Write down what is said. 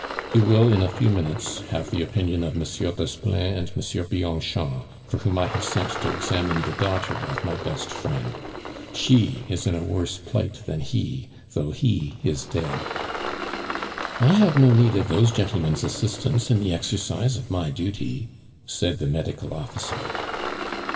You will, in a few minutes, have the opinion of Monsieur Desplein and Monsieur Bianchon, for whom I have sent to examine the daughter of my best friend; she is in a worse plight than he, though he is dead." "I have no need of those gentlemen's assistance in the exercise of my duty," said the medical officer.